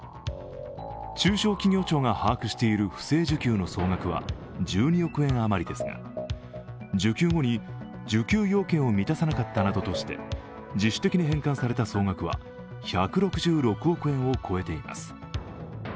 中小企業庁が把握している不正受給の総額は１２億円余りですが受給後に受給要件を満たさなかったなどとして自主的に返還された総額は１６６億円を超えています。